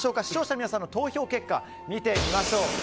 視聴者の皆さんの投票結果を見てみましょう。